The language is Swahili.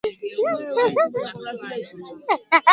Unyonge au udhaifu kwa jumla